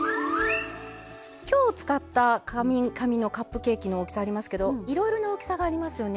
きょう使った紙のカップケーキの大きさありますけどいろいろな大きさがありますよね。